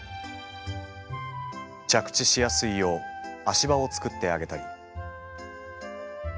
着地しやすいよう足場を作ってあげたり。